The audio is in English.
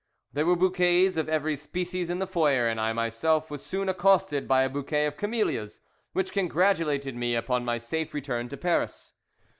There were bouquets of every species in the foyer, and I myself was soon accosted by a bouquet of camellias, which congratulated me upon my safe return to Paris.